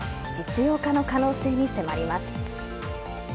実用化の可能性に迫ります。